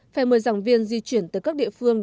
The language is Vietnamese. phải mời giảng viên di chuyển tới các địa phương